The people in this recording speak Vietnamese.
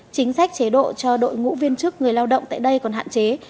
chính sách chế độ cho đội ngũ viên chức người lao động tại đây còn hạn chế